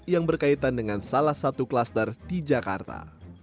yang berkaitan dengan salah satu kluster di jakarta